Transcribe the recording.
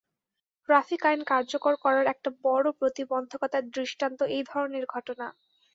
Traffic আইন কার্যকর করার একটা বড় প্রতিবন্ধকতার দৃষ্টান্ত এই ধরনের ঘটনা।